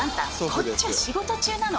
こっちは仕事中なの。